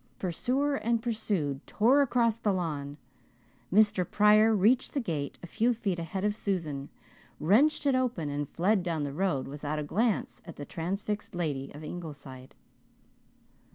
Pursuer and pursued tore across the lawn. Mr. Pryor reached the gate a few feet ahead of Susan, wrenched it open, and fled down the road, without a glance at the transfixed lady of Ingleside.